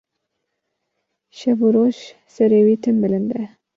Şev û roj serê wî tim bilinde